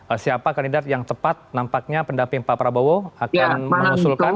ee siapa kandidat yang tepat nampaknya pendamping pak prabowo akan mengusulkan